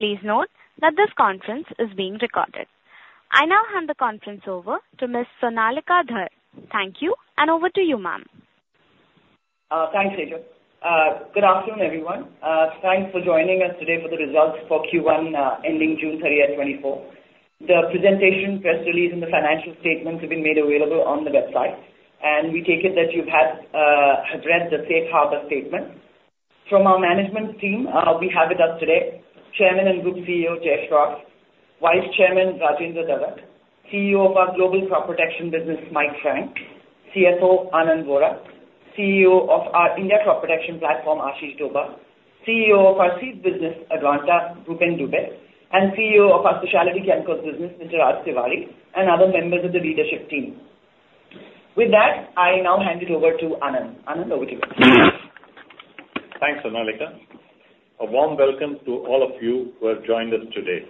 Please note that this conference is being recorded. I now hand the conference over to Ms. Sonalika Dhar. Thank you, and over to you, ma'am. Thanks, Sejal. Good afternoon, everyone. Thanks for joining us today for the Results for Q1 Ending June 30, 2024. The presentation, press release, and the financial statements have been made available on the website, and we take it that you have read the Safe Harbor statement. From our management team, we have with us today: Chairman and Group CEO, Jai Shroff; Vice Chairman, Rajendra Darak; CEO of our Global Crop Protection business, Mike Frank; CFO, Anand Vora; CEO of our India Crop Protection platform, Ashish Dobhal; CEO of our seed business, Advanta, Bhupen Dubey; and CEO of our specialty chemicals business, Mr. Raj Tiwari; and other members of the leadership team. With that, I now hand it over to Anand. Anand, over to you. Thanks, Sonalika. A warm welcome to all of you who have joined us today.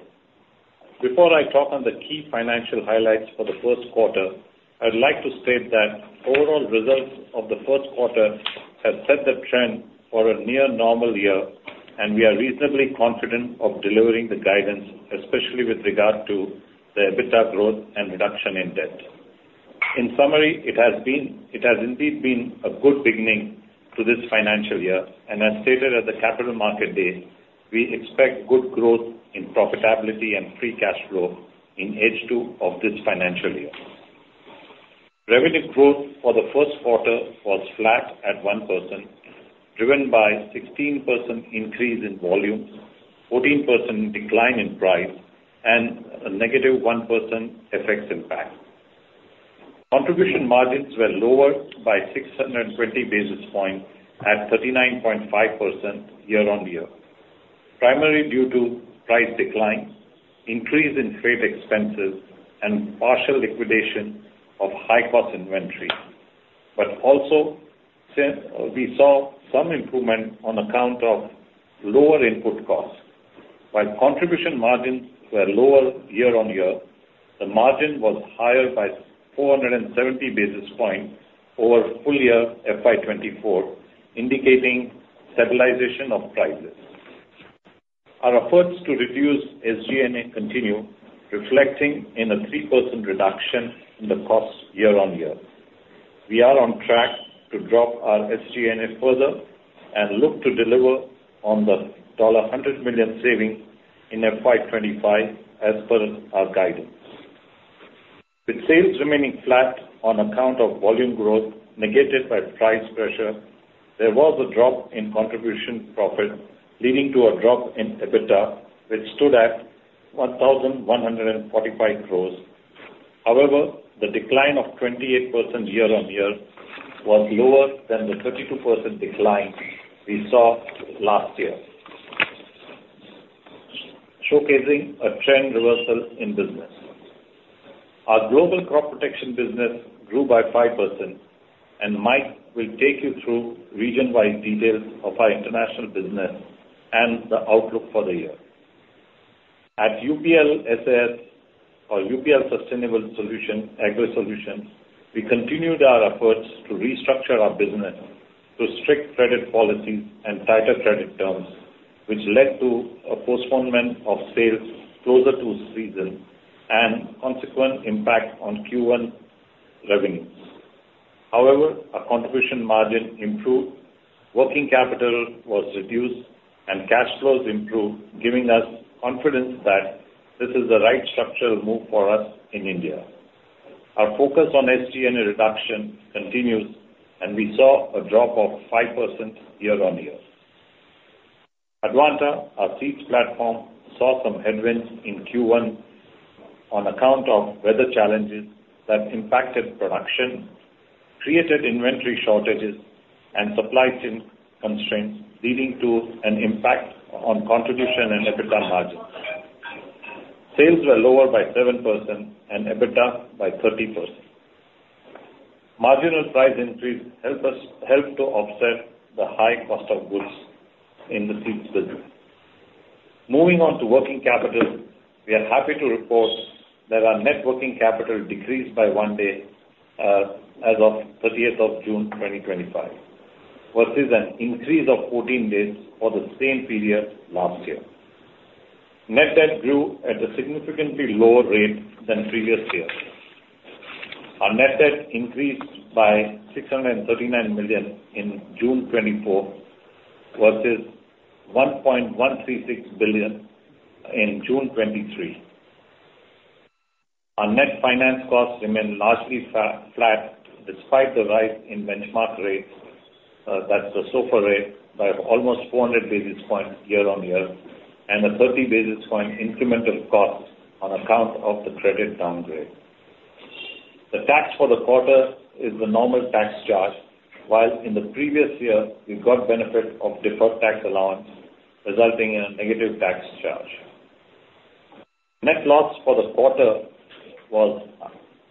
Before I talk on the key financial highlights for the first quarter, I would like to state that overall results of the first quarter have set the trend for a near-normal year, and we are reasonably confident of delivering the guidance, especially with regard to the EBITDA growth and reduction in debt. In summary, it has indeed been a good beginning to this financial year, and as stated at the Capital Market Day, we expect good growth in profitability and free cash flow in H2 of this financial year. Revenue growth for the first quarter was flat at 1%, driven by a 16% increase in volume, a 14% decline in price, and a negative 1% FX impact. Contribution margins were lowered by 620 basis points at 39.5% year-on-year, primarily due to price decline, increase in freight expenses, and partial liquidation of high-cost inventory. But also, we saw some improvement on account of lower input costs. While contribution margins were lower year-on-year, the margin was higher by 470 basis points over full-year FY2024, indicating stabilization of prices. Our efforts to reduce SG&A continue reflecting in a 3% reduction in the costs year-on-year. We are on track to drop our SG&A further and look to deliver on the $100 million savings in FY2025 as per our guidance. With sales remaining flat on account of volume growth negated by price pressure, there was a drop in contribution profits, leading to a drop in EBITDA, which stood at 1,145 crores. However, the decline of 28% year-over-year was lower than the 32% decline we saw last year, showcasing a trend reversal in business. Our Global Crop Protection business grew by 5%, and Mike will take you through region-wide details of our international business and the outlook for the year. At UPL SAS, or UPL Sustainable Agri Solutions, we continued our efforts to restructure our business to strict credit policies and tighter credit terms, which led to a postponement of sales closer to season and consequent impact on Q1 revenues. However, our contribution margin improved, working capital was reduced, and cash flows improved, giving us confidence that this is the right structural move for us in India. Our focus on SG&A reduction continues, and we saw a drop of 5% year-over-year. Advanta, our seeds platform, saw some headwinds in Q1 on account of weather challenges that impacted production, created inventory shortages, and supply chain constraints, leading to an impact on contribution and EBITDA margins. Sales were lower by 7% and EBITDA by 30%. Marginal price increase helped to offset the high cost of goods in the seeds business. Moving on to working capital, we are happy to report that our net working capital decreased by one day as of 30th of June 2025, versus an increase of 14 days for the same period last year. Net debt grew at a significantly lower rate than previous years. Our net debt increased by 639 million in June 2024 versus 1.136 billion in June 2023. Our net finance costs remained largely flat despite the rise in benchmark rates, that's the SOFR, by almost 400 basis points year-on-year, and a 30 basis point incremental cost on account of the credit downgrade. The tax for the quarter is the normal tax charge, while in the previous year, we got benefit of deferred tax allowance, resulting in a negative tax charge. Net loss for the quarter was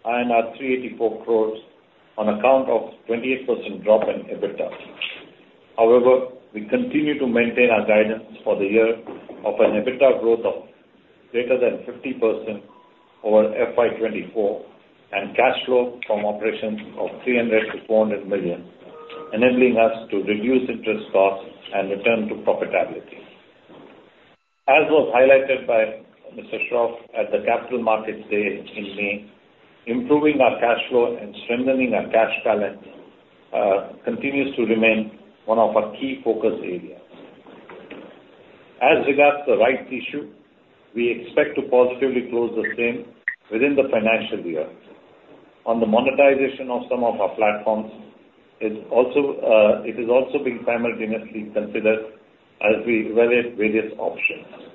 INR 384 crores on account of a 28% drop in EBITDA. However, we continue to maintain our guidance for the year of an EBITDA growth of greater than 50% over FY24 and cash flow from operations of $300 million-$400 million, enabling us to reduce interest costs and return to profitability. As was highlighted by Mr. Shroff at the Capital Markets Day in May, improving our cash flow and strengthening our cash balance continues to remain one of our key focus areas. As regards the rights issue, we expect to positively close the same within the financial year. On the monetization of some of our platforms, it is also being simultaneously considered as we evaluate various options.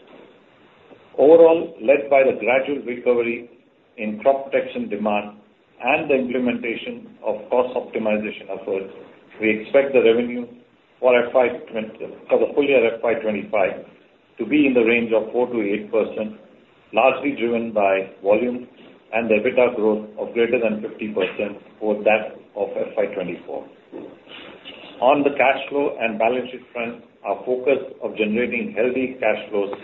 Overall, led by the gradual recovery in crop protection demand and the implementation of cost optimization efforts, we expect the revenue for the full-year FY25 to be in the range of 4%-8%, largely driven by volume and EBITDA growth of greater than 50% over that of FY24. On the cash flow and balance sheet front, our focus of generating healthy cash flows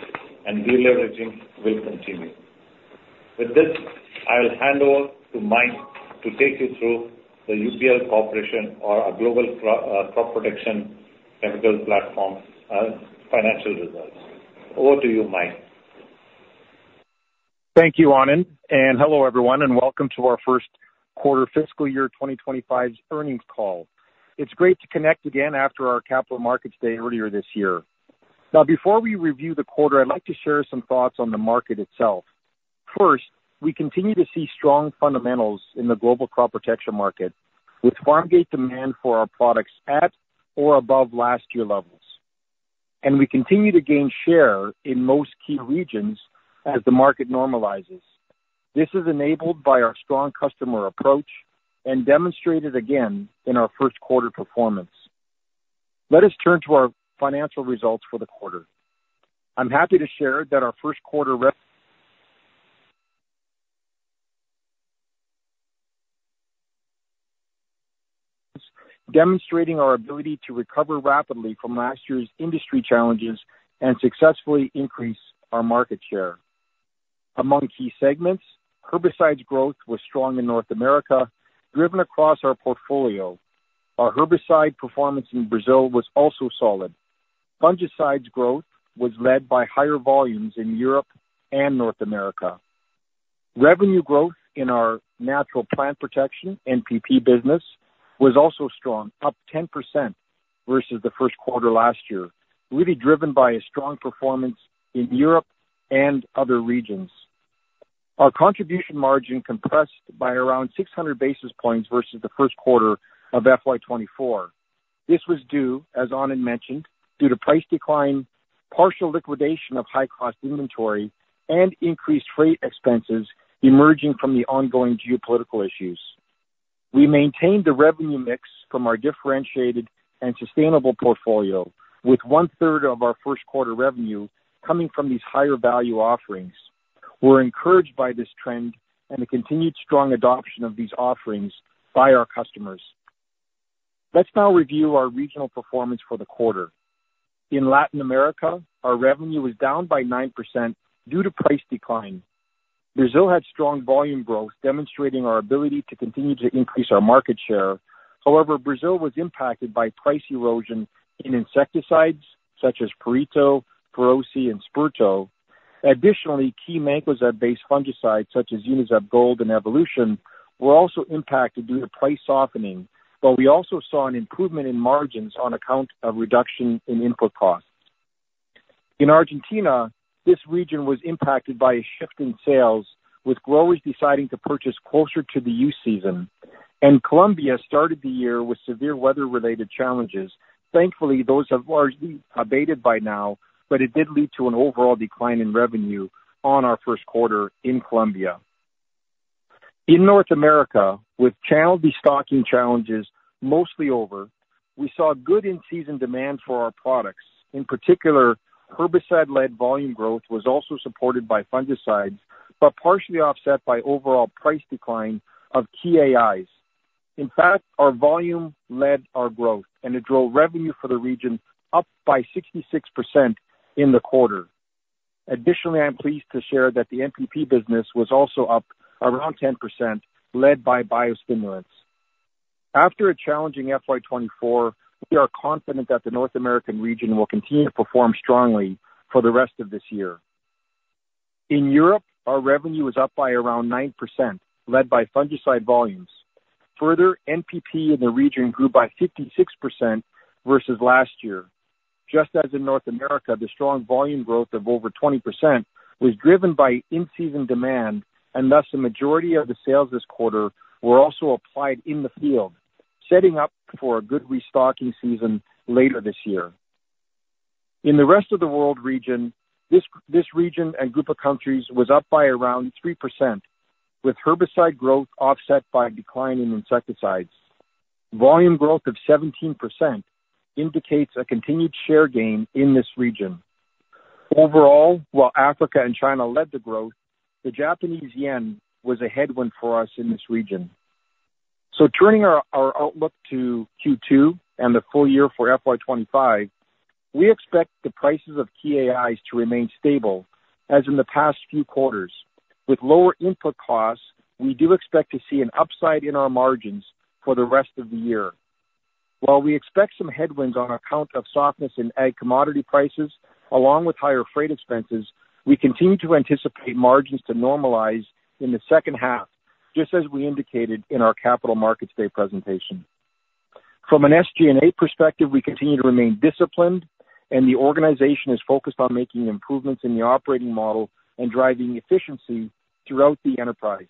and deleveraging will continue. With this, I'll hand over to Mike to take you through the UPL Corporation, or our Global Crop Protection Capital Platform, financial results. Over to you, Mike. Thank you, Anand. Hello, everyone, and welcome to our First Quarter Fiscal Year 2025's Earnings Call. It's great to connect again after our Capital Markets Day earlier this year. Now, before we review the quarter, I'd like to share some thoughts on the market itself. First, we continue to see strong fundamentals in the global crop protection market, with farm gate demand for our products at or above last year levels. We continue to gain share in most key regions as the market normalizes. This is enabled by our strong customer approach and demonstrated again in our first quarter performance. Let us turn to our financial results for the quarter. I'm happy to share that our first quarter demonstrating our ability to recover rapidly from last year's industry challenges and successfully increase our market share. Among key segments, herbicides growth was strong in North America, driven across our portfolio. Our herbicide performance in Brazil was also solid. Fungicides growth was led by higher volumes in Europe and North America. Revenue growth in our natural plant protection, NPP business, was also strong, up 10% versus the first quarter last year, really driven by a strong performance in Europe and other regions. Our contribution margin compressed by around 600 basis points versus the first quarter of FY 2024. This was due, as Anand mentioned, due to price decline, partial liquidation of high-cost inventory, and increased freight expenses emerging from the ongoing geopolitical issues. We maintained the revenue mix from our differentiated and sustainable portfolio, with one-third of our first quarter revenue coming from these higher value offerings. We're encouraged by this trend and the continued strong adoption of these offerings by our customers. Let's now review our regional performance for the quarter. In Latin America, our revenue was down by 9% due to price decline. Brazil had strong volume growth, demonstrating our ability to continue to increase our market share. However, Brazil was impacted by price erosion in insecticides such as Perito, Feroce, and Sperto. Additionally, key Mancozeb-based fungicides such as Unizeb Gold and Evolution were also impacted due to price softening, but we also saw an improvement in margins on account of reduction in input costs. In Argentina, this region was impacted by a shift in sales, with growers deciding to purchase closer to the use season. Colombia started the year with severe weather-related challenges. Thankfully, those have largely abated by now, but it did lead to an overall decline in revenue on our first quarter in Colombia. In North America, with channel destocking challenges mostly over, we saw good in-season demand for our products. In particular, herbicide-led volume growth was also supported by fungicides, but partially offset by overall price decline of key AIs. In fact, our volume led our growth, and it drove revenue for the region up by 66% in the quarter. Additionally, I'm pleased to share that the NPP business was also up around 10%, led by biostimulants. After a challenging FY2024, we are confident that the North American region will continue to perform strongly for the rest of this year. In Europe, our revenue was up by around 9%, led by fungicide volumes. Further, NPP in the region grew by 56% versus last year. Just as in North America, the strong volume growth of over 20% was driven by in-season demand, and thus the majority of the sales this quarter were also applied in the field, setting up for a good restocking season later this year. In the rest of the world region, this region and group of countries was up by around 3%, with herbicide growth offset by a decline in insecticides. Volume growth of 17% indicates a continued share gain in this region. Overall, while Africa and China led the growth, the Japanese yen was a headwind for us in this region. Turning our outlook to Q2 and the full year for FY 2025, we expect the prices of key AIs to remain stable, as in the past few quarters. With lower input costs, we do expect to see an upside in our margins for the rest of the year. While we expect some headwinds on account of softness in ag commodity prices, along with higher freight expenses, we continue to anticipate margins to normalize in the second half, just as we indicated in our Capital Markets Day presentation. From an SG&A perspective, we continue to remain disciplined, and the organization is focused on making improvements in the operating model and driving efficiency throughout the enterprise.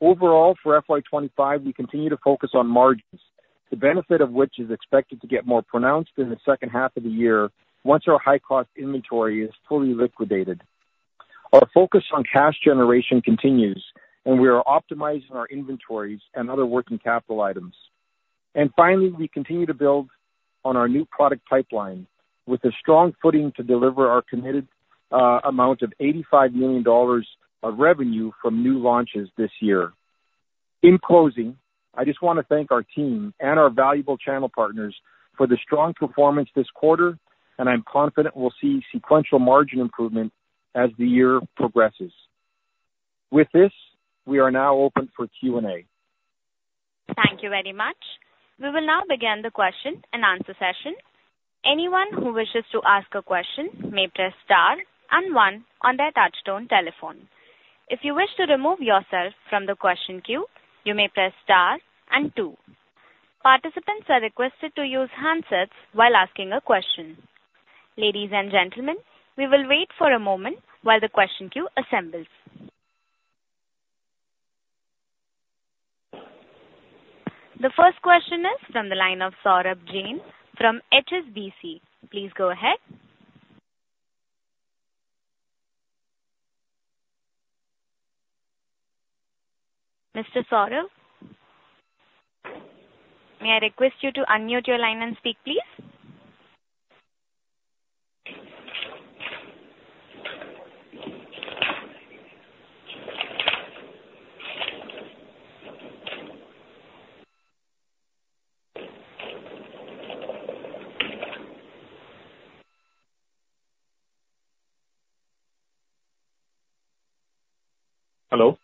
Overall, for FY25, we continue to focus on margins, the benefit of which is expected to get more pronounced in the second half of the year once our high-cost inventory is fully liquidated. Our focus on cash generation continues, and we are optimizing our inventories and other working capital items. Finally, we continue to build on our new product pipeline with a strong footing to deliver our committed amount of $85 million of revenue from new launches this year. In closing, I just want to thank our team and our valuable channel partners for the strong performance this quarter, and I'm confident we'll see sequential margin improvement as the year progresses. With this, we are now open for Q&A. Thank you very much. We will now begin the question-and-answer session. Anyone who wishes to ask a question may press star and one on their touch-tone telephone. If you wish to remove yourself from the question queue, you may press star and two. Participants are requested to use handsets while asking a question. Ladies and gentlemen, we will wait for a moment while the question queue assembles. The first question is from the line of Saurabh Jain from HSBC. Please go ahead. Mr. Saurabh, may I request you to unmute your line and speak, please? Hello?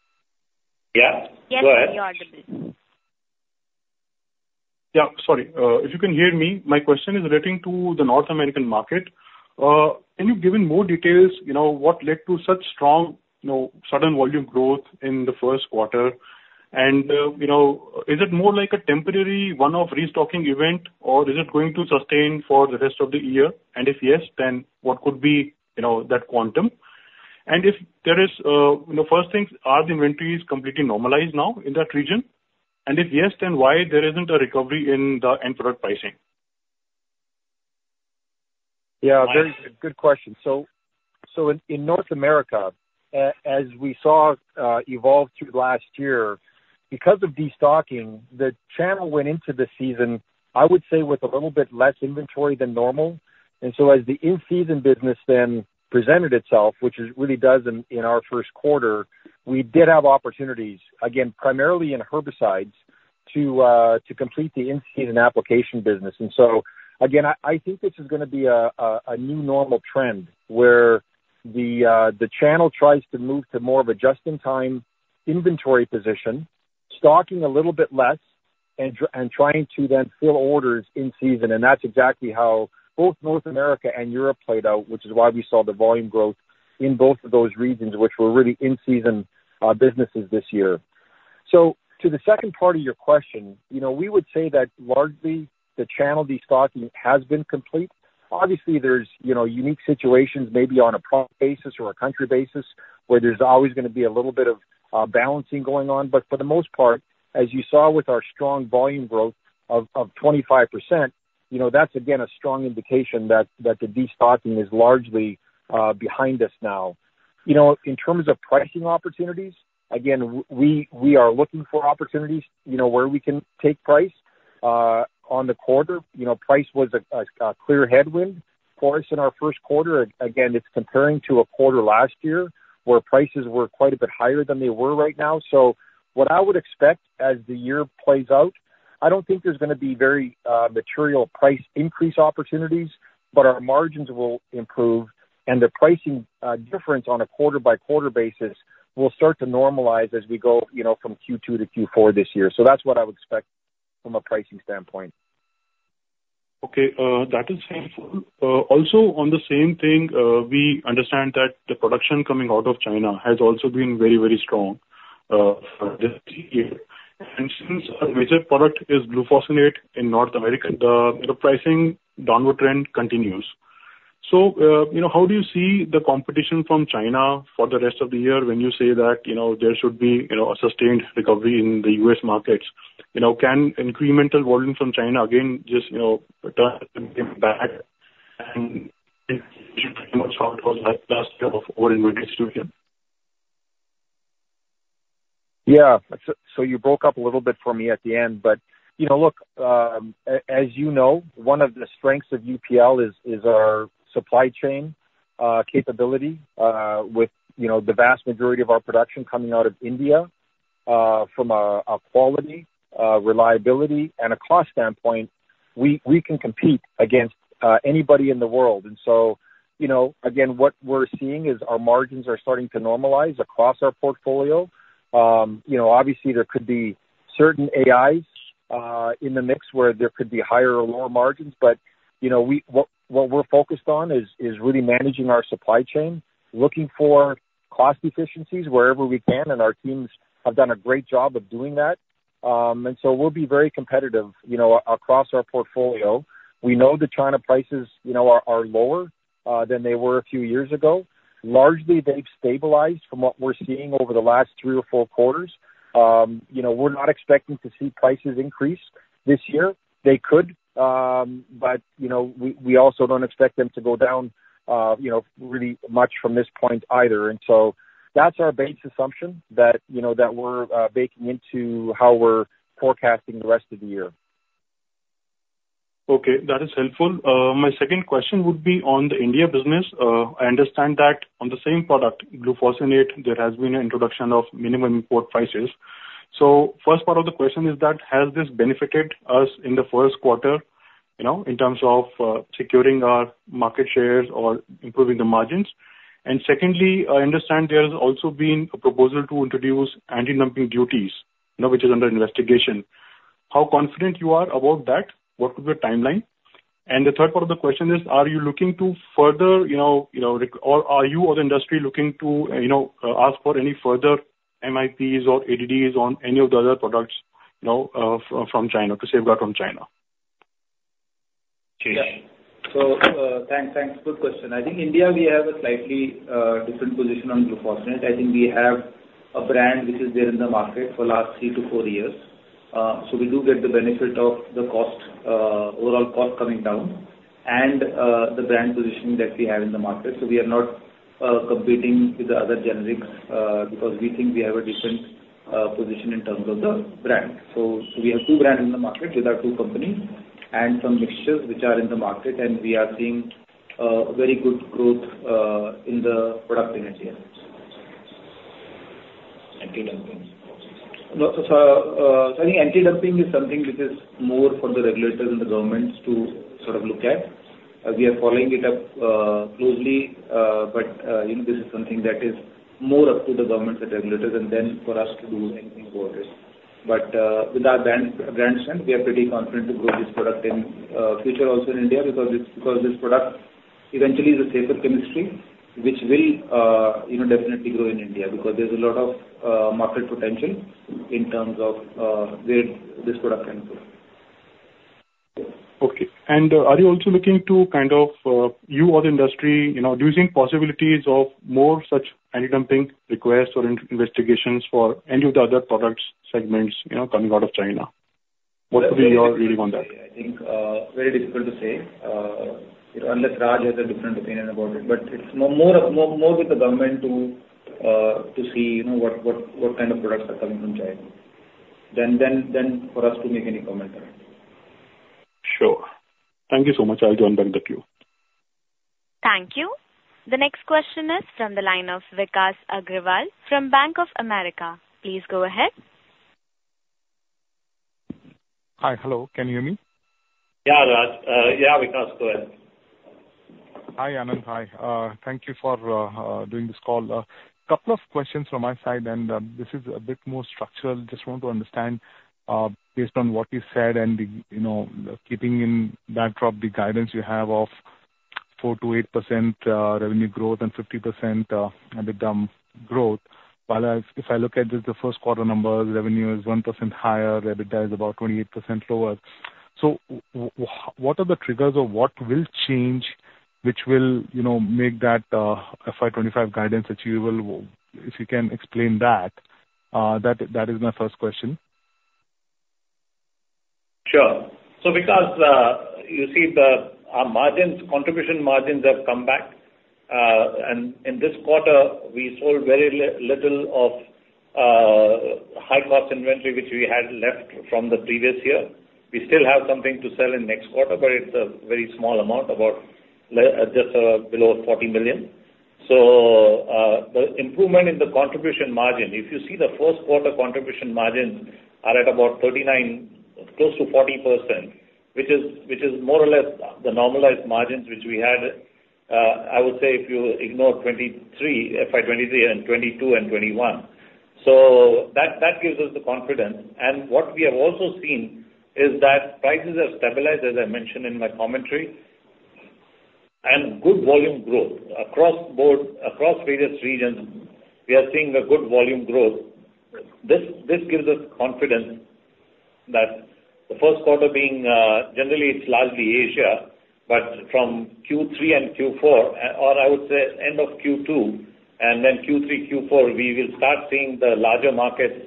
Yes. Yes, you are. Go ahead. Yeah, sorry. If you can hear me, my question is relating to the North American market. Can you give in more details? What led to such strong, sudden volume growth in the first quarter? And is it more like a temporary one-off restocking event, or is it going to sustain for the rest of the year? And if yes, then what could be that quantum? And if there is, first thing, are the inventories completely normalized now in that region? And if yes, then why there isn't a recovery in the end product pricing? Yeah, very good question. So in North America, as we saw evolve through last year, because of destocking, the channel went into the season, I would say, with a little bit less inventory than normal. And so as the in-season business then presented itself, which it really does in our first quarter, we did have opportunities, again, primarily in herbicides, to complete the in-season application business. And so again, I think this is going to be a new normal trend where the channel tries to move to more of a just-in-time inventory position, stocking a little bit less, and trying to then fill orders in season. And that's exactly how both North America and Europe played out, which is why we saw the volume growth in both of those regions, which were really in-season businesses this year. To the second part of your question, we would say that largely the channel destocking has been complete. Obviously, there's unique situations, maybe on a product basis or a country basis, where there's always going to be a little bit of balancing going on. But for the most part, as you saw with our strong volume growth of 25%, that's, again, a strong indication that the destocking is largely behind us now. In terms of pricing opportunities, again, we are looking for opportunities where we can take price on the quarter. Price was a clear headwind for us in our first quarter. Again, it's comparing to a quarter last year where prices were quite a bit higher than they were right now. So what I would expect as the year plays out, I don't think there's going to be very material price increase opportunities, but our margins will improve, and the pricing difference on a quarter-by-quarter basis will start to normalize as we go from Q2 to Q4 this year. So that's what I would expect from a pricing standpoint. Okay. That is helpful. Also, on the same thing, we understand that the production coming out of China has also been very, very strong this year. Since our major product is glufosinate in North America, the pricing downward trend continues. So how do you see the competition from China for the rest of the year when you say that there should be a sustained recovery in the U.S. markets? Can incremental volume from China again just turn back and pretty much how it was last year before in the situation? Yeah. So you broke up a little bit for me at the end, but look, as you know, one of the strengths of UPL is our supply chain capability with the vast majority of our production coming out of India. From a quality, reliability, and a cost standpoint, we can compete against anybody in the world. And so again, what we're seeing is our margins are starting to normalize across our portfolio. Obviously, there could be certain AIs in the mix where there could be higher or lower margins, but what we're focused on is really managing our supply chain, looking for cost efficiencies wherever we can, and our teams have done a great job of doing that. And so we'll be very competitive across our portfolio. We know that China prices are lower than they were a few years ago. Largely, they've stabilized from what we're seeing over the last 3 or 4 quarters. We're not expecting to see prices increase this year. They could, but we also don't expect them to go down really much from this point either. And so that's our base assumption that we're baking into how we're forecasting the rest of the year. Okay. That is helpful. My second question would be on the India business. I understand that on the same product, glufosinate, there has been an introduction of minimum import prices. So first part of the question is that has this benefited us in the first quarter in terms of securing our market shares or improving the margins? And secondly, I understand there has also been a proposal to introduce anti-dumping duties, which is under investigation. How confident you are about that? What could be the timeline? And the third part of the question is, are you looking to further or are you or the industry looking to ask for any further MIPs or ADDs on any of the other products from China to safeguard from China? Yeah. So thanks. Good question. I think India, we have a slightly different position on glufosinate. I think we have a brand which is there in the market for the last three to four years. So we do get the benefit of the overall cost coming down and the brand positioning that we have in the market. So we are not competing with the other generics because we think we have a different position in terms of the brand. So we have two brands in the market with our two companies and some mixtures which are in the market, and we are seeing very good growth in the product in India. So I think anti-dumping is something which is more for the regulators and the governments to sort of look at. We are following it up closely, but this is something that is more up to the governments and regulators and then for us to do anything about it. But with our brand strength, we are pretty confident to grow this product in the future also in India because this product eventually is a safer chemistry, which will definitely grow in India because there's a lot of market potential in terms of where this product can go. Okay. And are you also looking to kind of you or the industry using possibilities of more such anti-dumping requests or investigations for any of the other product segments coming out of China? What would be your reading on that? I think very difficult to say unless Raj has a different opinion about it, but it's more with the government to see what kind of products are coming from China than for us to make any comment. Sure. Thank you so much. I'll join back the queue. Thank you. The next question is from the line of Vikas Arora from Bank of America. Please go ahead. Hi, hello. Can you hear me? Yeah, Raj. Yeah, Vikas, go ahead. Hi, Anand. Hi. Thank you for doing this call. A couple of questions from my side, and this is a bit more structural. Just want to understand based on what you said and keeping in backdrop the guidance you have of 4%-8% revenue growth and 50% EBITDA growth. While if I look at the first quarter numbers, revenue is 1% higher, EBITDA is about 28% lower. So what are the triggers or what will change which will make that FY25 guidance achievable? If you can explain that, that is my first question. Sure. So Vikas, you see our contribution margins have come back. And in this quarter, we sold very little of high-cost inventory which we had left from the previous year. We still have something to sell in next quarter, but it's a very small amount, about just below $40 million. So the improvement in the contribution margin, if you see the first quarter contribution margins are at about close to 40%, which is more or less the normalized margins which we had, I would say, if you ignore FY23 and 22 and 21. So that gives us the confidence. And what we have also seen is that prices have stabilized, as I mentioned in my commentary, and good volume growth across various regions. We are seeing a good volume growth. This gives us confidence that the first quarter, being generally, it's largely Asia, but from Q3 and Q4, or I would say end of Q2 and then Q3, Q4, we will start seeing the larger markets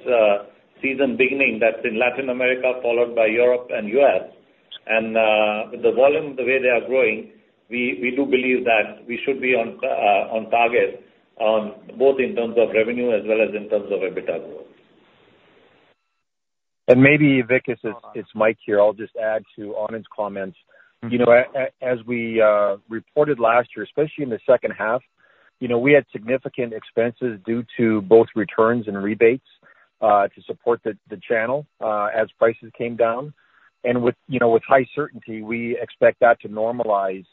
season beginning. That's in Latin America, followed by Europe and U.S. And with the volume, the way they are growing, we do believe that we should be on target both in terms of revenue as well as in terms of EBITDA growth. Maybe, Vikas, as it's Mike here, I'll just add to Anand's comments. As we reported last year, especially in the second half, we had significant expenses due to both returns and rebates to support the channel as prices came down. With high certainty, we expect that to normalize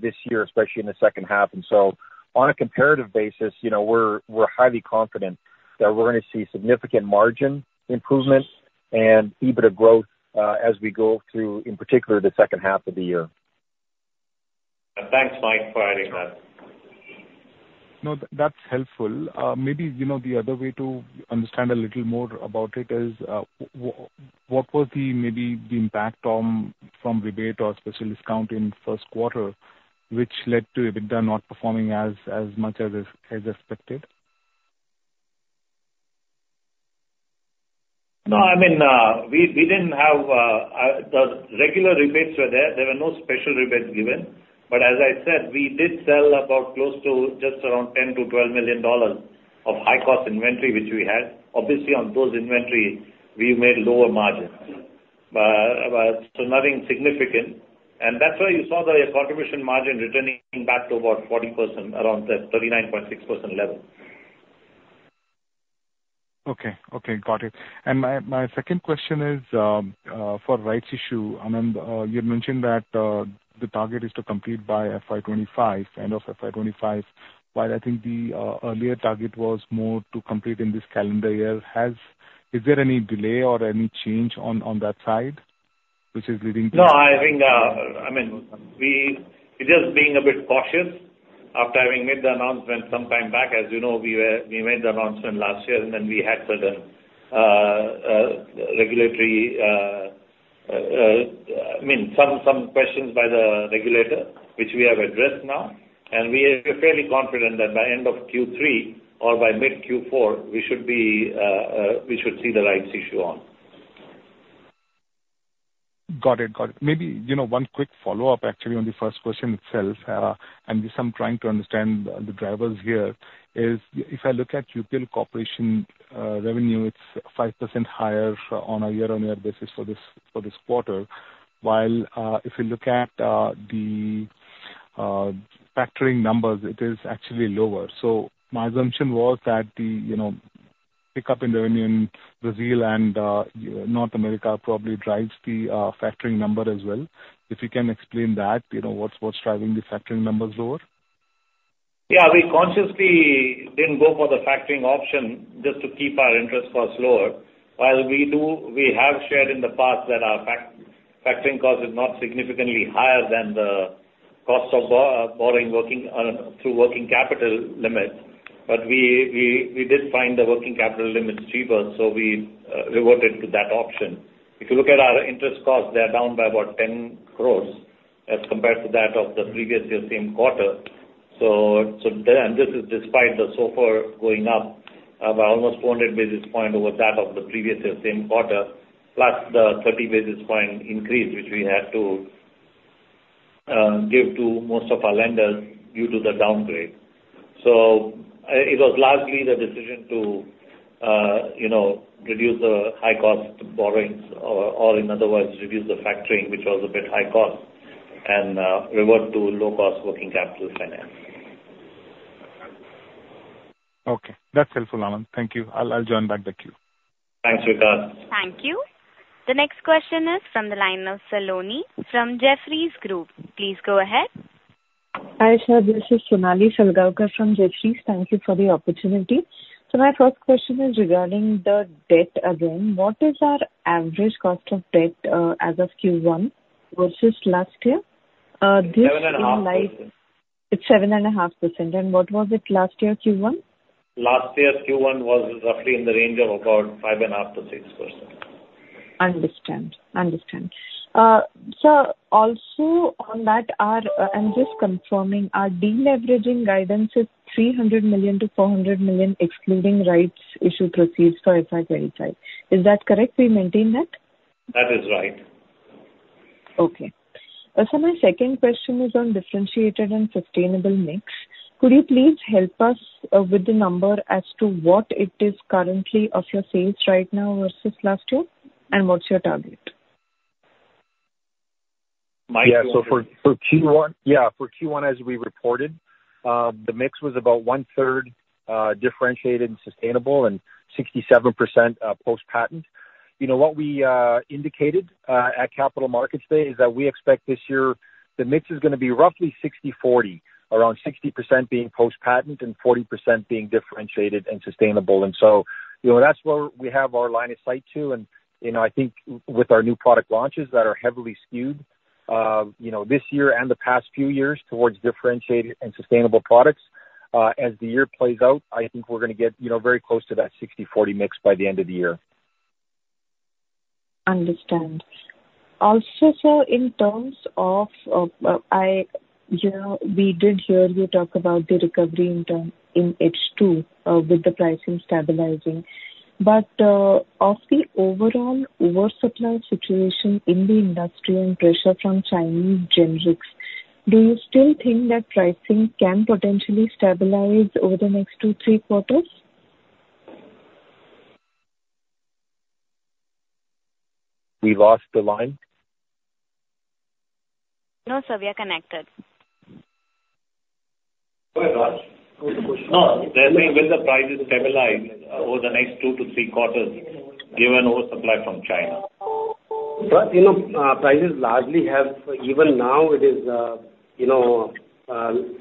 this year, especially in the second half. So on a comparative basis, we're highly confident that we're going to see significant margin improvement and EBITDA growth as we go through, in particular, the second half of the year. Thanks, Mike, for adding that. No, that's helpful. Maybe the other way to understand a little more about it is what was maybe the impact from rebate or special discount in first quarter, which led to EBITDA not performing as much as expected? No, I mean, we didn't have the regular rebates. Were there. There were no special rebates given. But as I said, we did sell about close to just around $10 million-$12 million of high-cost inventory which we had. Obviously, on those inventory, we made lower margins. So nothing significant. And that's why you saw the contribution margin returning back to about 40% around the 39.6% level. Okay. Okay. Got it. My second question is for Rights Issue. Anand, you mentioned that the target is to complete by FY25, end of FY25, while I think the earlier target was more to complete in this calendar year. Is there any delay or any change on that side which is leading to? No, I think, I mean, we're just being a bit cautious after having made the announcement some time back. As you know, we made the announcement last year, and then we had certain regulatory I mean, some questions by the regulator, which we have addressed now. And we are fairly confident that by end of Q3 or by mid-Q4, we should see the rights issue on. Got it. Got it. Maybe one quick follow-up, actually, on the first question itself. And this I'm trying to understand the drivers here is if I look at UPL Corporation revenue, it's 5% higher on a year-on-year basis for this quarter. While if you look at the factoring numbers, it is actually lower. So my assumption was that the pickup in revenue in Brazil and North America probably drives the factoring number as well. If you can explain that, what's driving the factoring numbers lower? Yeah. We consciously didn't go for the factoring option just to keep our interest costs lower. While we have shared in the past that our factoring cost is not significantly higher than the cost of borrowing through working capital limits, but we did find the working capital limits cheaper, so we reverted to that option. If you look at our interest costs, they are down by about 10 crore as compared to that of the previous year's same quarter. So this is despite the SOFR going up by almost 400 basis points over that of the previous year's same quarter, plus the 30 basis point increase which we had to give to most of our lenders due to the downgrade. It was largely the decision to reduce the high-cost borrowings or in other words, reduce the factoring, which was a bit high cost, and revert to low-cost working capital finance. Okay. That's helpful, Anand. Thank you. I'll join back the queue. Thanks, Vikas. Thank you. The next question is from the line of Sonali from Jefferies. Please go ahead. Hi, sir. This is Sonali Salgaonkar from Jefferies. Thank you for the opportunity. So my first question is regarding the debt again. What is our average cost of debt as of Q1 versus last year? 7.5%. It's 7.5%. What was it last year, Q1? Last year, Q1 was roughly in the range of about 5.5%-6%. Understand. Understand. So also on that, I'm just confirming our deleveraging guidance is $300 million-$400 million excluding rights issue proceeds for FY25. Is that correct? We maintain that? That is right. Okay. So my second question is on differentiated and sustainable mix. Could you please help us with the number as to what it is currently of your sales right now versus last year? And what's your target? Yeah. So for Q1, as we reported, the mix was about 33% Differentiated and Sustainable and 67% Post-Patent. What we indicated at Capital Markets today is that we expect this year the mix is going to be roughly 60/40, around 60% being Post-Patent and 40% being Differentiated and Sustainable. And so that's where we have our line of sight to. And I think with our new product launches that are heavily skewed this year and the past few years towards Differentiated and Sustainable products, as the year plays out, I think we're going to get very close to that 60/40 mix by the end of the year. Understand. Also, so in terms of we did hear you talk about the recovery in H2 with the pricing stabilizing. But of the overall over-supply situation in the industry and pressure from Chinese generics, do you still think that pricing can potentially stabilize over the next two, three quarters? We lost the line? No, sir. We are connected. No, I think when the price is stabilized over the next two to three quarters, given over-supply from China. But prices largely have even now it is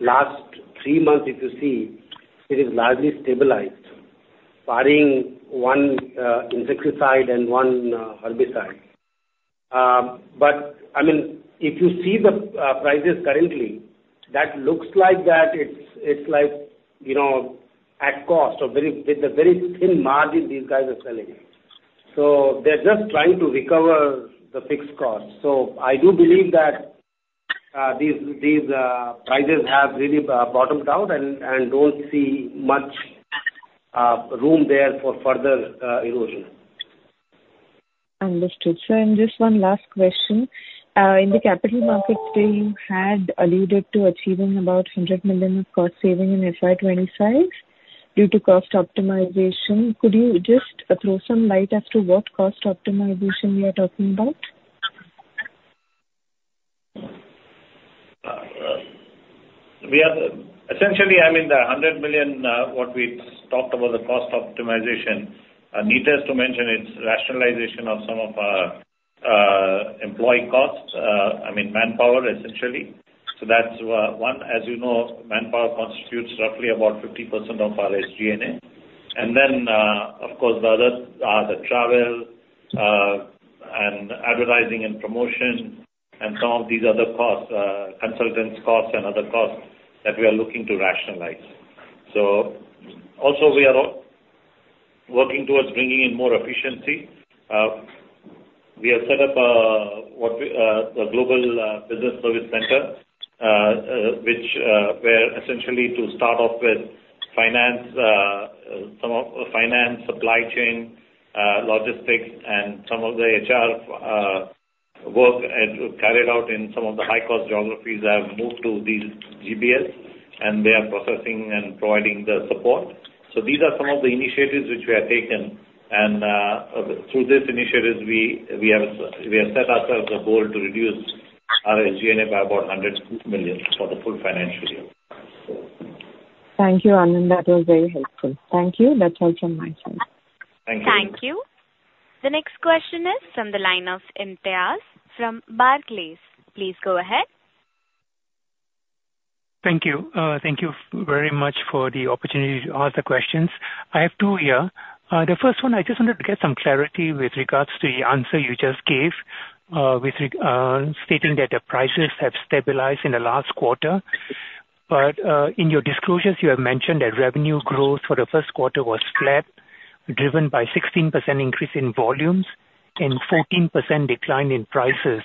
last three months, if you see, it is largely stabilized barring one insecticide and one herbicide. But I mean, if you see the prices currently, that looks like that it's like at cost or with a very thin margin these guys are selling. So they're just trying to recover the fixed cost. So I do believe that these prices have really bottomed out and don't see much room there for further erosion. Understood. So just one last question. In the capital markets today, you had alluded to achieving about 100 million of cost saving in FY25 due to cost optimization. Could you just throw some light as to what cost optimization you are talking about? Essentially, I mean, the $100 million what we talked about the cost optimization, needless to mention, it's rationalization of some of our employee costs, I mean, manpower essentially. That's one. As you know, manpower constitutes roughly about 50% of our SG&A. Then, of course, the other are the travel and advertising and promotion and some of these other costs, consultants' costs and other costs that we are looking to rationalize. Also, we are working towards bringing in more efficiency. We have set up the Global Business Service Center, which we're essentially to start off with finance, some of the finance, supply chain, logistics, and some of the HR work carried out in some of the high-cost geographies have moved to these GBS, and they are processing and providing the support. So these are some of the initiatives which we have taken. Through these initiatives, we have set ourselves a goal to reduce our SG&A by about 100 million for the full financial year. Thank you, Anand. That was very helpful. Thank you. That's all from my side. Thank you. Thank you. The next question is from the line of Imtiaz from Barclays. Please go ahead. Thank you. Thank you very much for the opportunity to ask the questions. I have two here. The first one, I just wanted to get some clarity with regards to the answer you just gave stating that the prices have stabilized in the last quarter. But in your disclosures, you have mentioned that revenue growth for the first quarter was flat, driven by a 16% increase in volumes and a 14% decline in prices.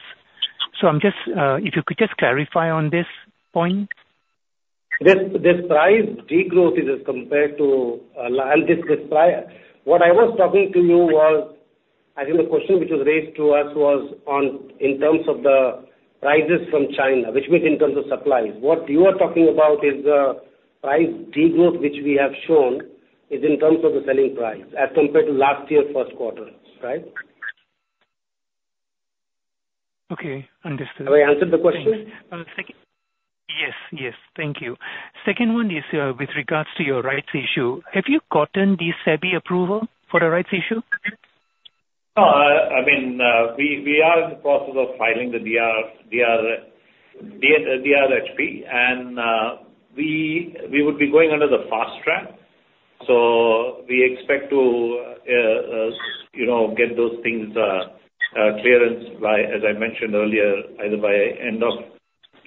So if you could just clarify on this point. This price degrowth is as compared to what I was talking to you was I think the question which was raised to us was in terms of the prices from China, which means in terms of supplies. What you are talking about is the price degrowth which we have shown is in terms of the selling price as compared to last year's first quarter, right? Okay. Understood. Have I answered the question? Yes. Yes. Thank you. Second one is with regards to your rights issue. Have you gotten the SEBI approval for the rights issue? No. I mean, we are in the process of filing the DRHP, and we would be going under the fast track. So we expect to get those things clearance, as I mentioned earlier, either by end of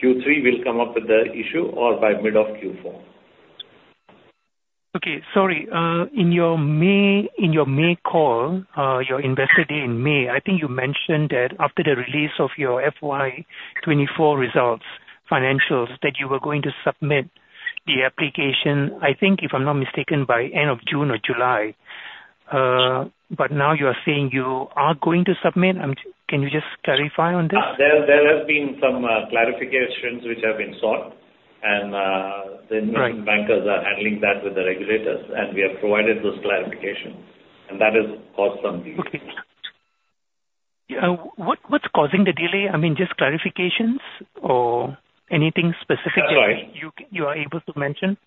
Q3, we'll come up with the issue, or by mid of Q4. Okay. Sorry. In your May call, your investor day in May, I think you mentioned that after the release of your FY24 results, financials, that you were going to submit the application, I think, if I'm not mistaken, by end of June or July. But now you are saying you are going to submit. Can you just clarify on this? There have been some clarifications which have been sought, and the investment bankers are handling that with the regulators, and we have provided those clarifications. That has caused some delay. Okay. What's causing the delay? I mean, just clarifications or anything specific that you are able to mention?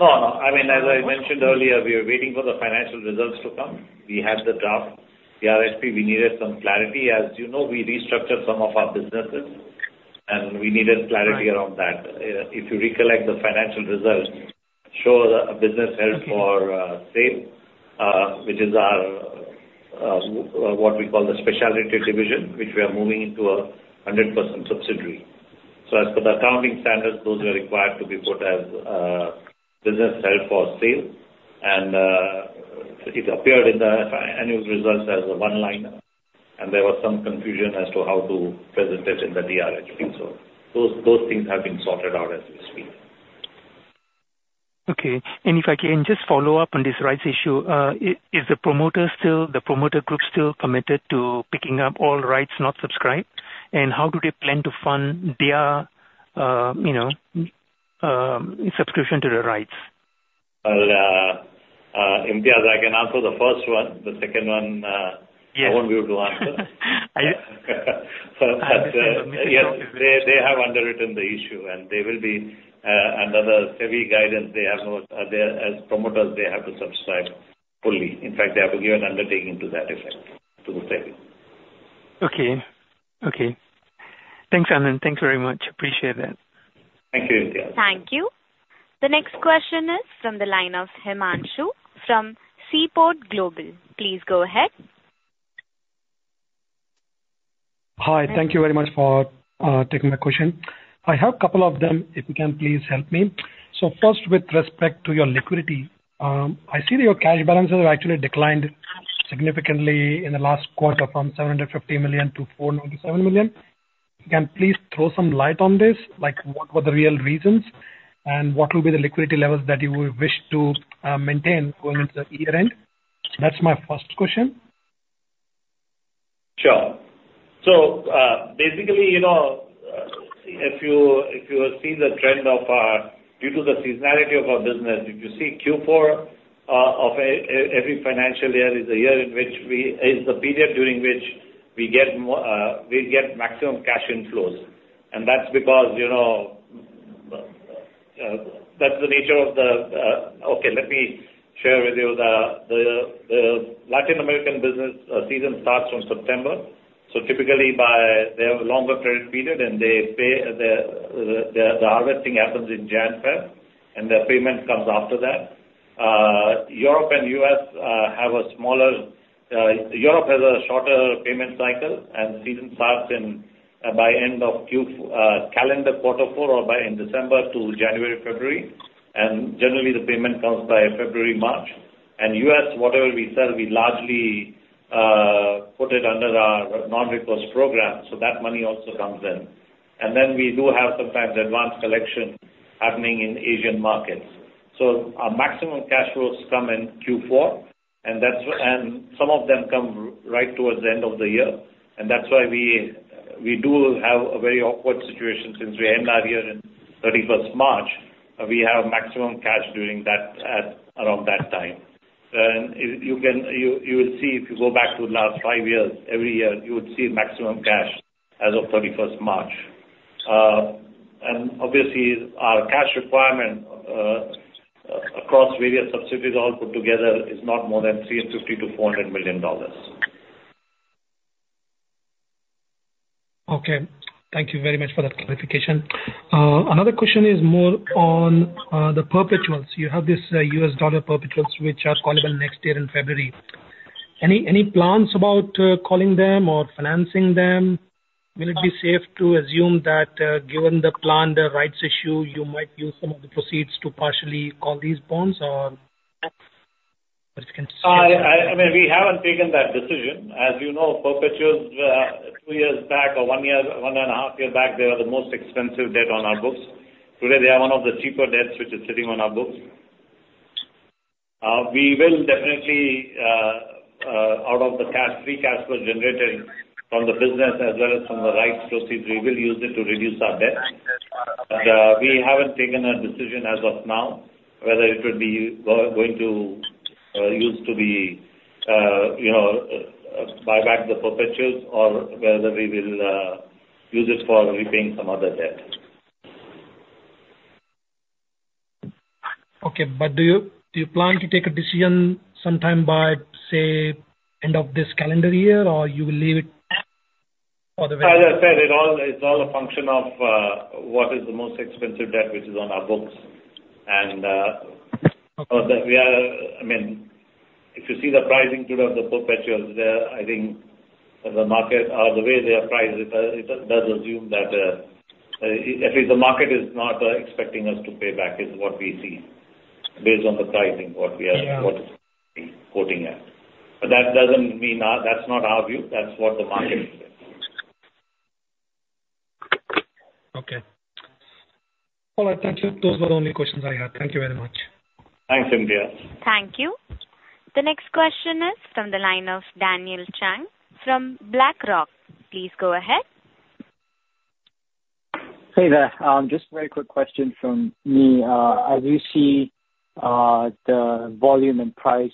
No, no. I mean, as I mentioned earlier, we were waiting for the financial results to come. We had the draft. The DRHP, we needed some clarity. As you know, we restructured some of our businesses, and we needed clarity around that. If you recollect, the financial results show the business held for sale, which is what we call the specialty division, which we are moving into a 100% subsidiary. So as for the accounting standards, those were required to be put as business held for sale. And it appeared in the annual results as a one-liner, and there was some confusion as to how to present it in the DRHP. So those things have been sorted out as we speak. Okay. And if I can just follow up on this Rights Issue, is the promoter still the promoter group still committed to picking up all rights not subscribed? And how do they plan to fund their subscription to the rights? Well, indeed, I can answer the first one. The second one, I won't be able to answer. I understand. You're allowed to answer. Yes. They have underwritten the issue, and they will be another SEBI guidance. As promoters, they have to subscribe fully. In fact, they have to give an undertaking to that effect to the SEBI. Okay. Okay. Thanks, Anand. Thanks very much. Appreciate that. Thank you, India. Thank you. The next question is from the line of Himanshu from Seaport Global. Please go ahead. Hi. Thank you very much for taking my question. I have a couple of them. If you can, please help me. First, with respect to your liquidity, I see that your cash balances have actually declined significantly in the last quarter from $750 million to $497 million. Can please throw some light on this? What were the real reasons, and what will be the liquidity levels that you wish to maintain going into the year-end? That's my first question. Sure. So basically, if you see the trend of our business due to the seasonality of our business, if you see Q4 of every financial year is the period during which we get maximum cash inflows. And that's because that's the nature of the business. Okay, let me share with you. The Latin America business season starts from September. So typically, they have a longer period, and the harvesting happens in January/February, and the payment comes after that. Europe and U.S. have a smaller. Europe has a shorter payment cycle, and season starts by end of calendar quarter four or by in December to January, February. And generally, the payment comes by February, March. And U.S., whatever we sell, we largely put it under our non-recourse program. So that money also comes in. And then we do have sometimes advanced collection happening in Asia markets. Our maximum cash flows come in Q4, and some of them come right towards the end of the year. That's why we do have a very awkward situation since we end our year in 31st March. We have maximum cash during that around that time. You will see if you go back to the last five years, every year, you would see maximum cash as of 31st March. Obviously, our cash requirement across various subsidiaries all put together is not more than $350 million-$400 million. Okay. Thank you very much for that clarification. Another question is more on the perpetuals. You have these U.S. dollar perpetuals which are callable next year in February. Any plans about calling them or financing them? Will it be safe to assume that given the planned rights issue, you might use some of the proceeds to partially call these bonds or if you can? I mean, we haven't taken that decision. As you know, perpetuals two years back or one and half years back, they were the most expensive debt on our books. Today, they are one of the cheaper debts which is sitting on our books. We will definitely, out of the cash, free cash flow generated from the business as well as from the rights proceeds, we will use it to reduce our debt. But we haven't taken a decision as of now whether it would be going to use to buy back the perpetuals or whether we will use it for repaying some other debt. Okay. But do you plan to take a decision sometime by, say, end of this calendar year, or you will leave it for the rest? As I said, it's all a function of what is the most expensive debt which is on our books. I mean, if you see the pricing to the perpetuals, I think the market or the way they are priced, it does assume that at least the market is not expecting us to pay back is what we see based on the pricing, what we are quoting at. That doesn't mean that's not our view. That's what the market is. Okay. All right. Thank you. Those were the only questions I had. Thank you very much. Thanks, India. Thank you. The next question is from the line of Daniel Chang from BlackRock. Please go ahead. Hey there. Just a very quick question from me. As you see the volume and price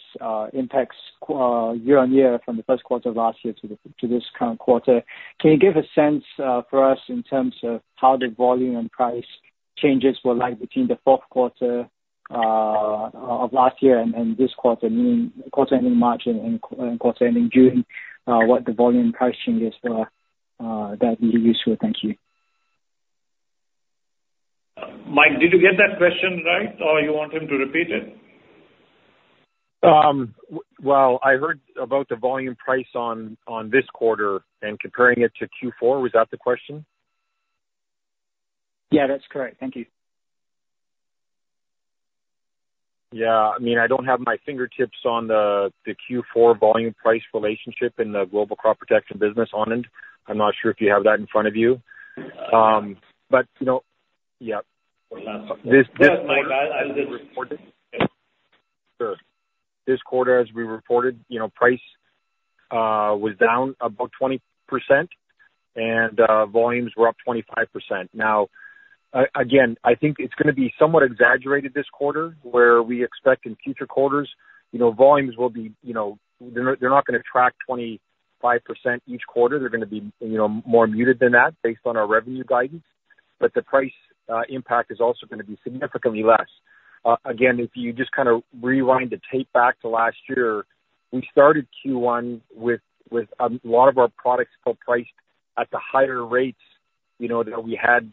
impacts year-over-year from the first quarter of last year to this current quarter, can you give a sense for us in terms of how the volume and price changes were like between the fourth quarter of last year and this quarter, meaning quarter-ending March and quarter-ending June, what the volume and price changes were that you used to? Thank you. Mike, did you get that question right, or you want him to repeat it? Well, I heard about the volume price on this quarter and comparing it to Q4. Was that the question? Yeah, that's correct. Thank you. Yeah. I mean, I don't have my fingertips on the Q4 volume price relationship in the global crop protection business, Anand. I'm not sure if you have that in front of you. But yeah. Mike, as we reported, sure. This quarter, as we reported, price was down about 20%, and volumes were up 25%. Now, again, I think it's going to be somewhat exaggerated this quarter, where we expect in future quarters, volumes will be. They're not going to track 25% each quarter. They're going to be more muted than that based on our revenue guidance. But the price impact is also going to be significantly less. Again, if you just kind of rewind the tape back to last year, we started Q1 with a lot of our products still priced at the higher rates that we had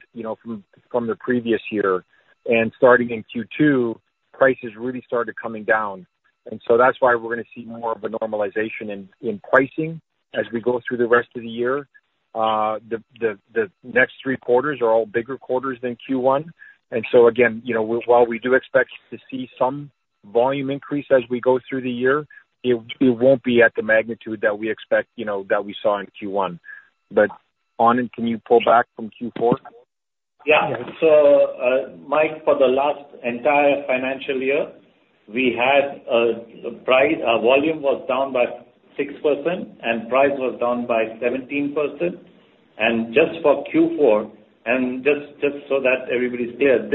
from the previous year. And starting in Q2, prices really started coming down. And so that's why we're going to see more of a normalization in pricing as we go through the rest of the year. The next three quarters are all bigger quarters than Q1. And so again, while we do expect to see some volume increase as we go through the year, it won't be at the magnitude that we expect that we saw in Q1. But Anand, can you pull back from Q4? Yeah. Mike, for the last entire financial year, we had volume was down by 6%, and price was down by 17%. And just for Q4, and just so that everybody's clear,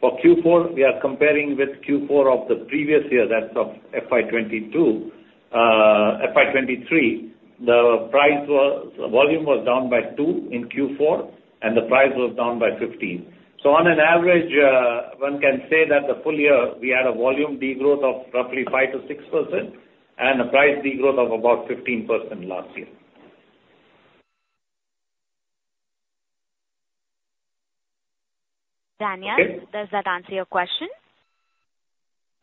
for Q4, we are comparing with Q4 of the previous year, that's of FY22, FY23, the volume was down by 2% in Q4, and the price was down by 15%. On an average, one can say that the full year, we had a volume degrowth of roughly 5%-6% and a price degrowth of about 15% last year. Daniel, does that answer your question?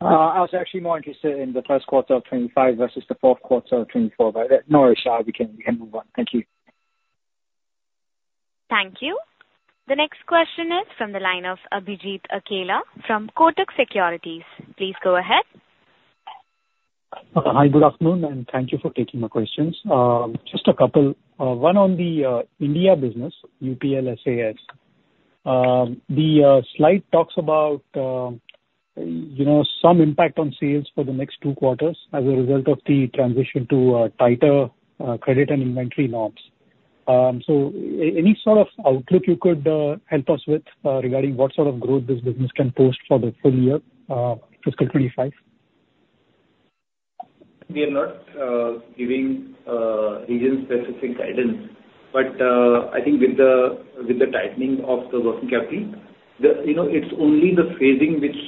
I was actually more interested in the first quarter of 2025 versus the fourth quarter of 2024, but no worries. We can move on. Thank you. Thank you. The next question is from the line of Abhijit Akella from Kotak Securities. Please go ahead. Hi, good afternoon, and thank you for taking my questions. Just a couple. One on the India business, UPLSAS. The slide talks about some impact on sales for the next two quarters as a result of the transition to tighter credit and inventory norms. So any sort of outlook you could help us with regarding what sort of growth this business can post for the full year, fiscal 2025? We are not giving region-specific guidance, but I think with the tightening of the working capital, it's only the phasing which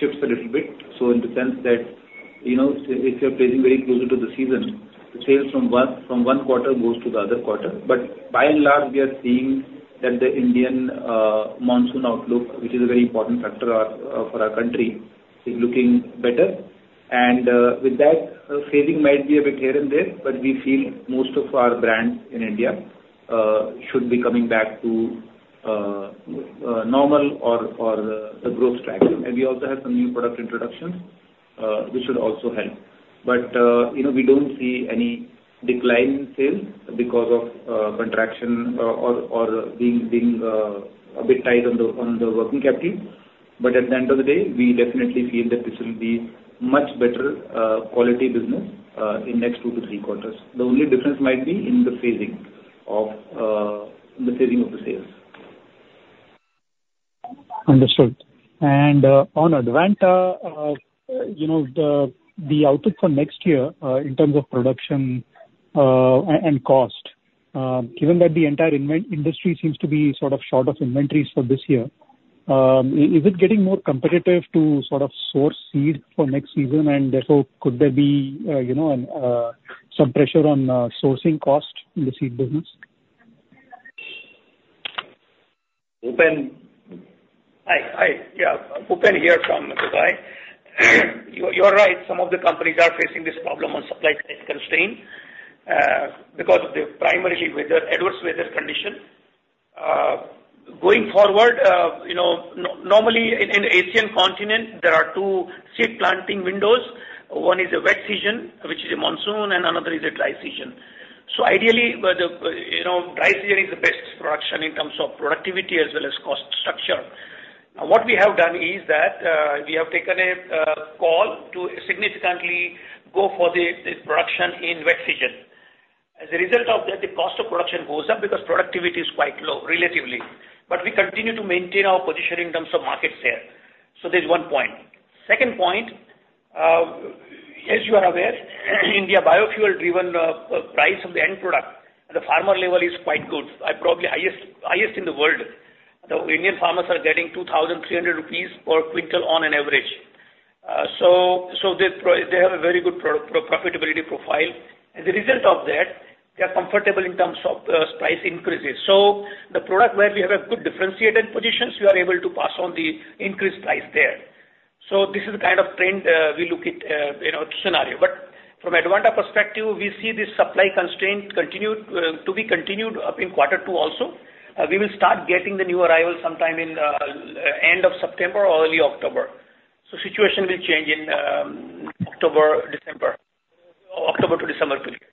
shifts a little bit. So in the sense that if you're phasing very closer to the season, the sales from one quarter goes to the other quarter. But by and large, we are seeing that the Indian monsoon outlook, which is a very important factor for our country, is looking better. And with that, phasing might be a bit here and there, but we feel most of our brands in India should be coming back to normal or the growth track. And we also have some new product introductions, which would also help. But we don't see any decline in sales because of contraction or being a bit tight on the working capital. At the end of the day, we definitely feel that this will be much better quality business in the next 2-3 quarters. The only difference might be in the phasing of the sales. Understood. On Advanta, the outlook for next year in terms of production and cost, given that the entire industry seems to be sort of short of inventories for this year, is it getting more competitive to sort of source seed for next season? And therefore, could there be some pressure on sourcing cost in the seed business? Hi. Hi. Yeah. Bhupen here from Dubai. You're right. Some of the companies are facing this problem on supply-side constraints because of the primarily adverse weather condition. Going forward, normally in the Asian continent, there are two seed planting windows. One is a wet season, which is a monsoon, and another is a dry season. So ideally, dry season is the best production in terms of productivity as well as cost structure. What we have done is that we have taken a call to significantly go for the production in wet season. As a result of that, the cost of production goes up because productivity is quite low, relatively. But we continue to maintain our position in terms of market share. So there's one point. Second point, as you are aware, India biofuel-driven price of the end product, the farmer level is quite good. Probably highest in the world. The Indian farmers are getting 2,300 rupees per quintal on an average. So they have a very good profitability profile. As a result of that, they're comfortable in terms of price increases. So the product where we have a good differentiated position, we are able to pass on the increased price there. So this is the kind of trend we look at scenario. But from Advanta perspective, we see this supply constraint to be continued up in quarter two also. We will start getting the new arrivals sometime in the end of September or early October. So situation will change in October to December period.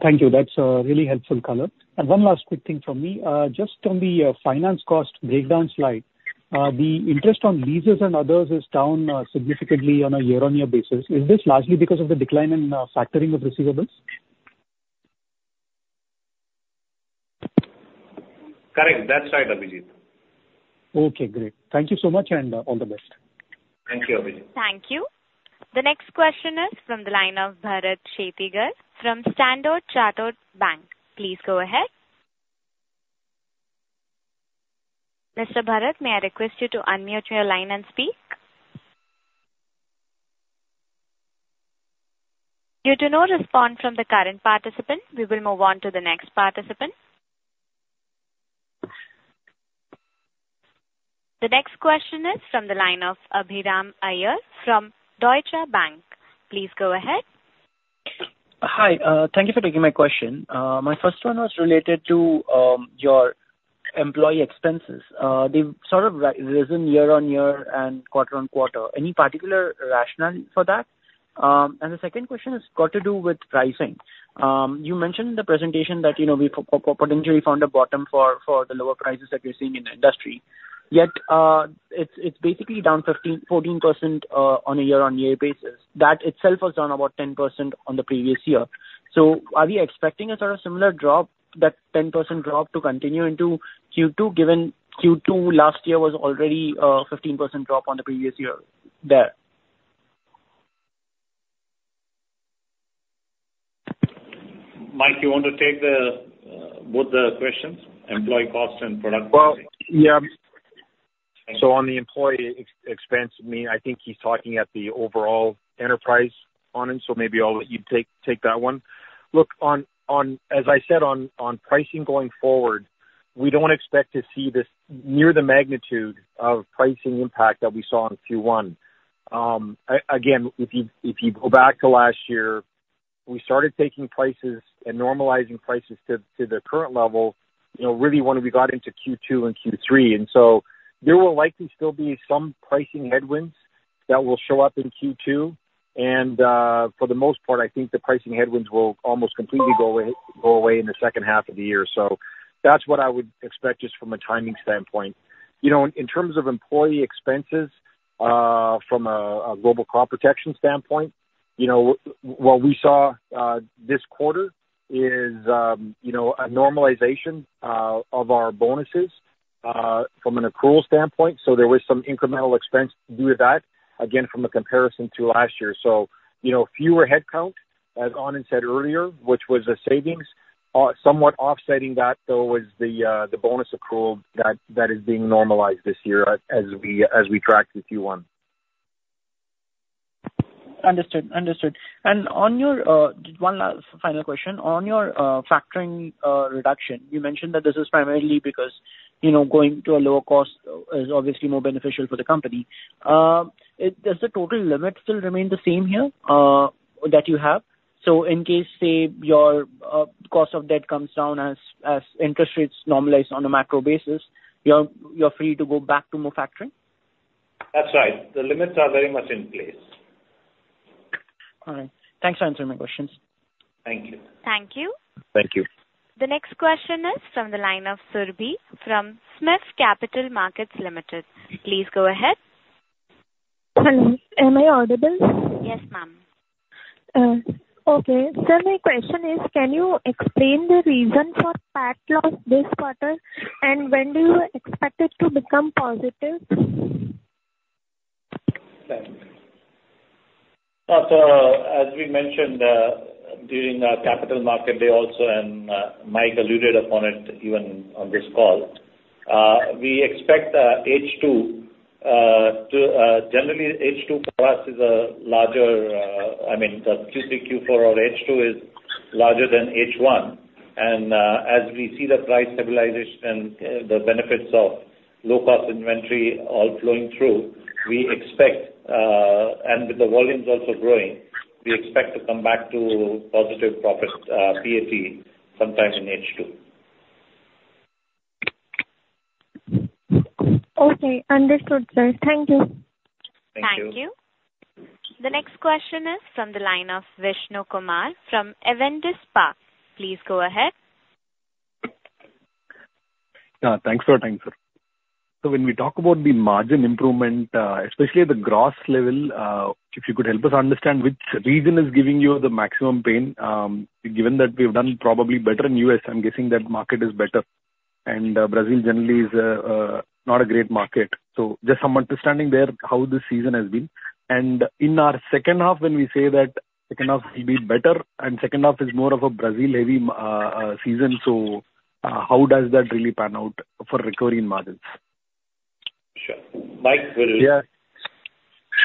Thank you. That's really helpful, color. One last quick thing from me. Just on the finance cost breakdown slide, the interest on leases and others is down significantly on a year-on-year basis. Is this largely because of the decline in factoring of receivables? Correct. That's right, Abhijit. Okay. Great. Thank you so much, and all the best. Thank you, Abhijit. Thank you. The next question is from the line of Bharat Shettigar from Standard Chartered Bank. Please go ahead. Mr. Bharat, may I request you to unmute your line and speak? Due to no response from the current participant, we will move on to the next participant. The next question is from the line of Abhiram Iyer from Deutsche Bank. Please go ahead. Hi. Thank you for taking my question. My first one was related to your employee expenses. They've sort of risen year-on-year and quarter-on-quarter. Any particular rationale for that? And the second question has got to do with pricing. You mentioned in the presentation that we potentially found a bottom for the lower prices that we're seeing in the industry. Yet it's basically down 14% on a year-on-year basis. That itself was down about 10% on the previous year. So are we expecting a sort of similar drop, that 10% drop to continue into Q2, given Q2 last year was already a 15% drop on the previous year there? Mike, you want to take both the questions, employee cost and production? Well, yeah. So on the employee expense, I mean, I think he's talking at the overall enterprise on it, so maybe you take that one. Look, as I said, on pricing going forward, we don't expect to see this near the magnitude of pricing impact that we saw in Q1. Again, if you go back to last year, we started taking prices and normalizing prices to the current level really when we got into Q2 and Q3. And so there will likely still be some pricing headwinds that will show up in Q2. And for the most part, I think the pricing headwinds will almost completely go away in the second half of the year. So that's what I would expect just from a timing standpoint. In terms of employee expenses from a global crop protection standpoint, what we saw this quarter is a normalization of our bonuses from an accrual standpoint. So there was some incremental expense due to that, again, from a comparison to last year. So fewer headcount, as Anand said earlier, which was a savings. Somewhat offsetting that, though, was the bonus accrual that is being normalized this year as we tracked in Q1. Understood. Understood. And one last final question. On your factoring reduction, you mentioned that this is primarily because going to a lower cost is obviously more beneficial for the company. Does the total limit still remain the same here that you have? So in case, say, your cost of debt comes down as interest rates normalize on a macro basis, you're free to go back to more factoring? That's right. The limits are very much in place. All right. Thanks for answering my questions. Thank you. Thank you. Thank you. The next question is from the line of Surabhi from SMIFS Capital Markets Limited. Please go ahead. Am I audible? Yes, ma'am. Okay. So my question is, can you explain the reason for PAT loss this quarter, and when do you expect it to become positive? As we mentioned during our capital market day also, and Mike alluded upon it even on this call, we expect H2. Generally, H2 for us is a larger, I mean, Q3, Q4, or H2 is larger than H1. And as we see the price stabilization and the benefits of low-cost inventory all flowing through, we expect, and with the volumes also growing, we expect to come back to positive profit PAT sometime in H2. Okay. Understood, sir. Thank you. Thank you. Thank you. The next question is from the line of Vishnu Kumar from Avendus Spark. Please go ahead. Thanks for your time, sir. So when we talk about the margin improvement, especially at the gross level, if you could help us understand which region is giving you the maximum pain, given that we've done probably better in the U.S., I'm guessing that market is better. And Brazil generally is not a great market. So just some understanding there how this season has been. And in our second half, when we say that second half will be better and second half is more of a Brazil-heavy season, so how does that really pan out for recovering margins? Sure. Mike, will you? Yeah.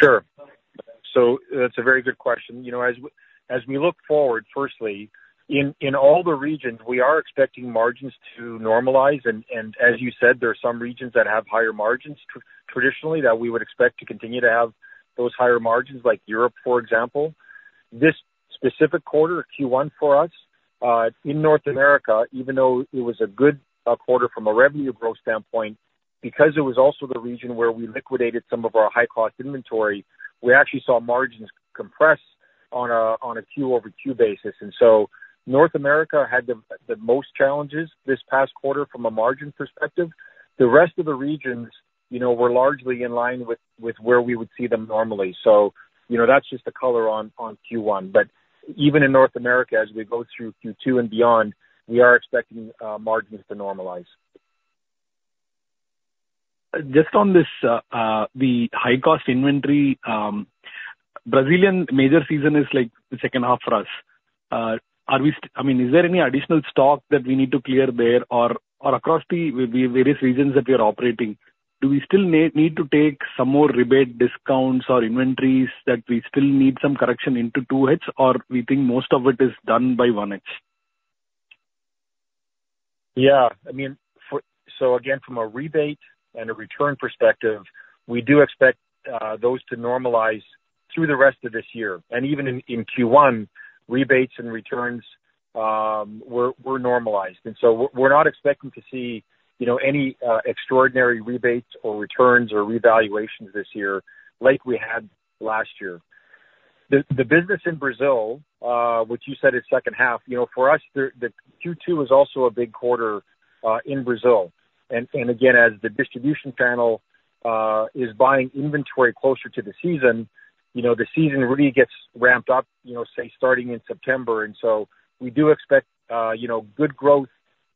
Sure. So that's a very good question. As we look forward, firstly, in all the regions, we are expecting margins to normalize. And as you said, there are some regions that have higher margins traditionally that we would expect to continue to have those higher margins, like Europe, for example. This specific quarter, Q1 for us, in North America, even though it was a good quarter from a revenue growth standpoint, because it was also the region where we liquidated some of our high-cost inventory, we actually saw margins compress on a Q-over-Q basis. And so North America had the most challenges this past quarter from a margin perspective. The rest of the regions were largely in line with where we would see them normally. So that's just the color on Q1. But even in North America, as we go through Q2 and beyond, we are expecting margins to normalize. Just on the high-cost inventory, Brazilian major season is the second half for us. I mean, is there any additional stock that we need to clear there or across the various regions that we are operating? Do we still need to take some more rebate, discounts, or inventories that we still need some correction into 2H, or do we think most of it is done by 1H? Yeah. I mean, so again, from a rebate and a return perspective, we do expect those to normalize through the rest of this year. And even in Q1, rebates and returns were normalized. And so we're not expecting to see any extraordinary rebates or returns or revaluations this year like we had last year. The business in Brazil, which you said is second half, for us, Q2 is also a big quarter in Brazil. And again, as the distribution channel is buying inventory closer to the season, the season really gets ramped up, say, starting in September. And so we do expect good growth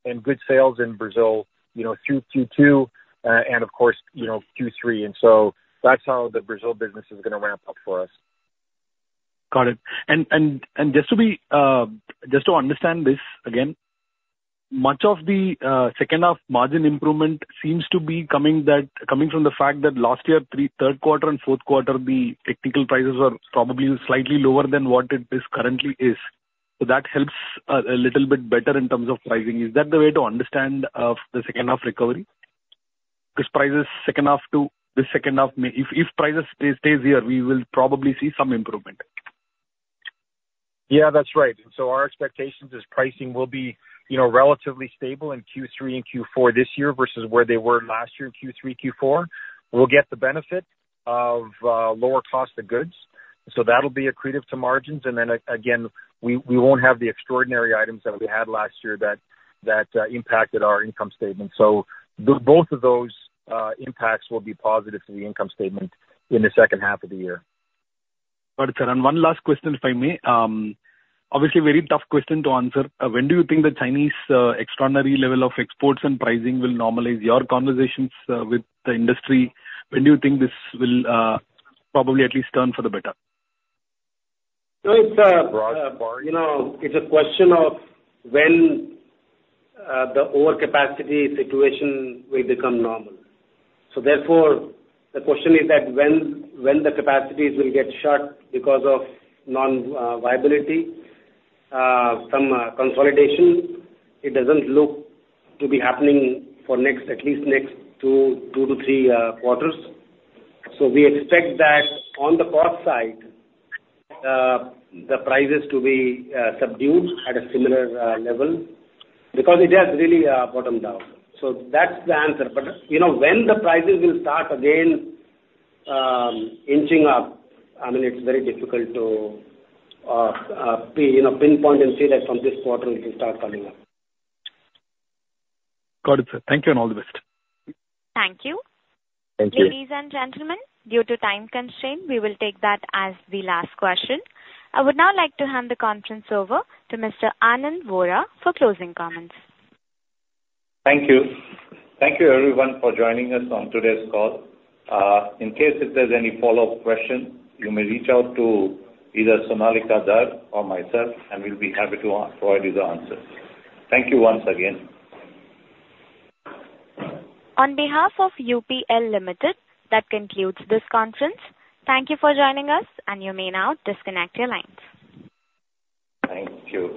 and good sales in Brazil through Q2 and, of course, Q3. And so that's how the Brazil business is going to ramp up for us. Got it. And just to understand this again, much of the second-half margin improvement seems to be coming from the fact that last year, third quarter and fourth quarter, the technical prices were probably slightly lower than what it is currently is. So that helps a little bit better in terms of pricing. Is that the way to understand the second-half recovery? Because prices second half to the second half, if prices stay here, we will probably see some improvement. Yeah, that's right. So our expectation is pricing will be relatively stable in Q3 and Q4 this year versus where they were last year in Q3, Q4. We'll get the benefit of lower cost of goods. So that'll be accretive to margins. And then again, we won't have the extraordinary items that we had last year that impacted our income statement. So both of those impacts will be positive to the income statement in the second half of the year. Got it, sir. One last question, if I may. Obviously, very tough question to answer. When do you think the Chinese extraordinary level of exports and pricing will normalize? Your conversations with the industry, when do you think this will probably at least turn for the better? It's a question of when the overcapacity situation will become normal. So therefore, the question is that when the capacities will get shut because of non-viability, some consolidation, it doesn't look to be happening for at least next 2-3 quarters. So we expect that on the cost side, the prices to be subdued at a similar level because it has really bottomed out. So that's the answer. But when the prices will start again inching up, I mean, it's very difficult to pinpoint and say that from this quarter it will start coming up. Got it, sir. Thank you and all the best. Thank you. Thank you. Ladies and gentlemen, due to time constraint, we will take that as the last question. I would now like to hand the conference over to Mr. Anand Vora for closing comments. Thank you. Thank you, everyone, for joining us on today's call. In case if there's any follow-up question, you may reach out to either Sonalika Dhar or myself, and we'll be happy to provide you the answers. Thank you once again. On behalf of UPL Limited, that concludes this conference. Thank you for joining us, and you may now disconnect your lines. Thank you.